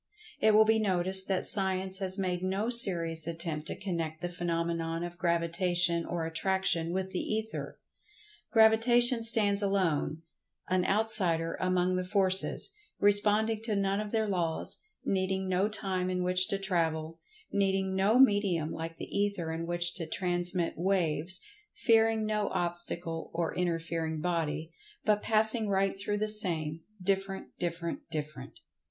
It will be noticed that Science has made no serious attempt to connect the phenomenon of Gravitation or Attraction with the Ether. Gravitation stands alone—an "outsider" among the Forces, responding to none of their laws—needing no time in which to travel—needing no medium like the Ether in which to transmit "waves"—fearing no obstacle or interfering body, but passing right through the same—different, different, different.